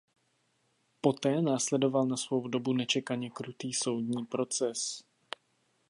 Poté následoval na svou dobu nečekaně krutý soudní proces.